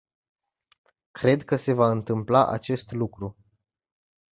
Cred că se va întâmpla acest lucru.